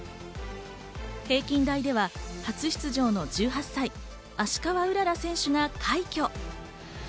平均台では初出場の１８歳、芦川うらら選手が快挙。